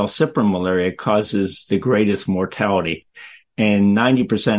valsipram malaria menyebabkan kematian yang terbesar